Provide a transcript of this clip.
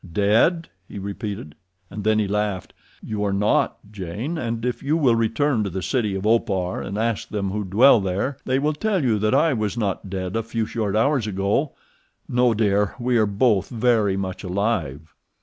"Dead!" he repeated, and then he laughed. "You are not, Jane; and if you will return to the city of Opar and ask them who dwell there they will tell you that I was not dead a few short hours ago. No, dear, we are both very much alive."